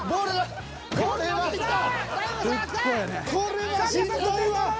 これはしんどいわ。